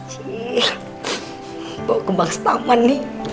cie bau kebangkstaman nih